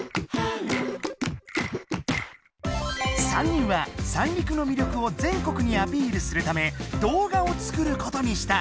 ３人は三陸の魅力を全国にアピールするため動画を作ることにした！